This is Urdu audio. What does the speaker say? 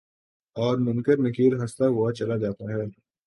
اور منکر نکیرہستہ ہوا چلا جاتا ہے